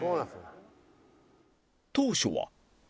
当初は